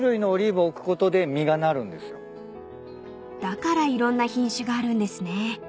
［だからいろんな品種があるんですね］